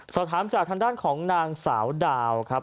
สอบถามจากทางด้านของนางสาวดาวครับ